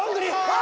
あ！